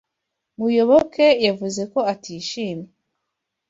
Muyoboke yavuze ko atishimye.